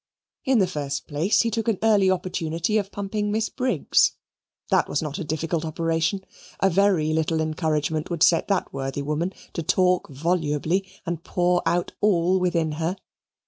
In the first place he took an early opportunity of pumping Miss Briggs. That was not a difficult operation. A very little encouragement would set that worthy woman to talk volubly and pour out all within her.